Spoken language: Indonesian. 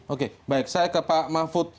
oke baik saya ke pak mahfud